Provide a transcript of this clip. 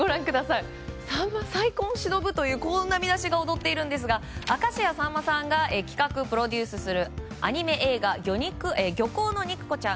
さんま再婚しのぶとこんな見出しが躍っていますが明石家さんまさんが企画・プロデュースするアニメ映画「漁港の肉子ちゃん」